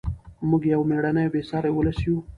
موږ یو مېړنی او بې ساري ولس یو.